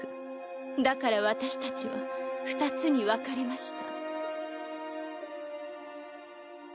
だから私たちは二つに分かれました。